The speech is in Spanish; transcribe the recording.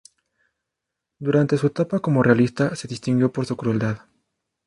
Durante su etapa como realista se distinguió por su crueldad.